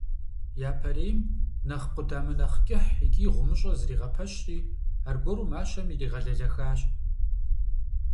Япэрейм нэхъ къудамэ нэхъ кӀыхь икӀи гъумыщӀэ зригъэпэщри, аргуэру мащэм иригъэлэлэхащ.